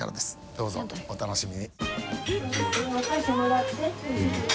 どうぞお楽しみに。